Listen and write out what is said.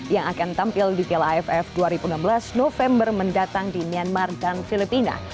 yang akan tampil di piala aff dua ribu enam belas november mendatang di myanmar dan filipina